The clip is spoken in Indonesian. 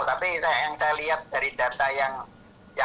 tapi yang saya lihat dari data yang